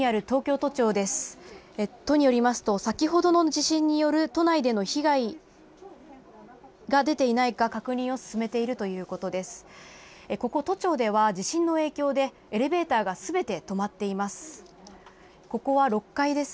都によりますと先ほどの地震による都内での被害が出ていないか確認を進めているということです。